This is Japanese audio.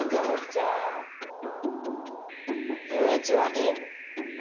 じゃあ友一はいいの？